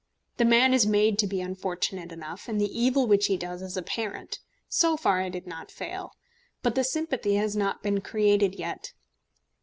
The man is made to be unfortunate enough, and the evil which he does is apparent. So far I did not fail, but the sympathy has not been created yet.